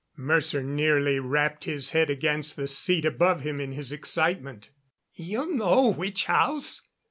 Mercer nearly rapped his head against the seat above him in his excitement. "You know which house?